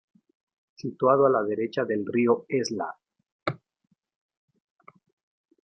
Situado a la derecha del Río Esla.